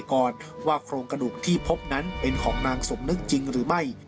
ก่อนว่าโครงกระดูกที่พบนั้นเป็นของนางสมนึกจริงหรือไม่